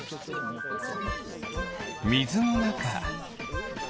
みずのなか。